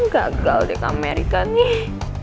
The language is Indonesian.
gagal deh amerika nih